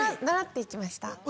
習って行きました。